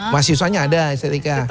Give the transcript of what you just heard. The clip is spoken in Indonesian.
masih usahanya ada stik